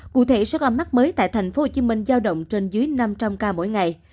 cụ thể số ca mắc mới tại thành phố hồ chí minh giao động trên dưới năm trăm linh ca mỗi ngày